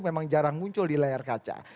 memang jarang muncul di layar kaca